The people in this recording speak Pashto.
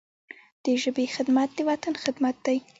د ژبي خدمت، د وطن خدمت دی.